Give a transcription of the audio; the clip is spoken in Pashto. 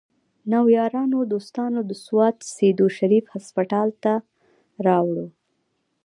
نو يارانو دوستانو د سوات سيدو شريف هسپتال ته راوړو